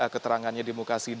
keterangannya di muka sidang